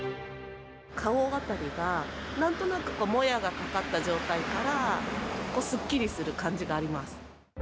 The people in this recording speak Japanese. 顔あたりが、なんとなくもやがかかった状態から、すっきりする感じがあります。